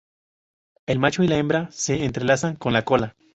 El macho y la hembra se entrelazan con la cola.